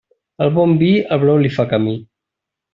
Al bon vi el brou li fa camí.